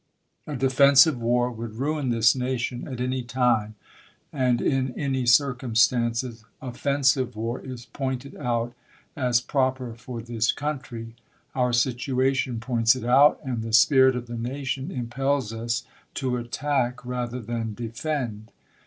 A defensive war would ruin this nation at any time ; and in any circumstances, offensive war is pointed out as proper for this country ; our situation points it out ; and the spirit of the nation impels us to attack rather than defend.